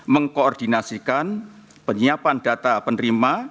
mengkoordinasikan penyiapan data penerima